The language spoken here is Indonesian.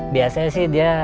biasanya sih dia